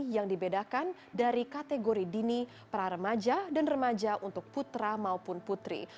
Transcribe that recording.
yang dibedakan dari kategori dini para remaja dan remaja untuk putra maupun putri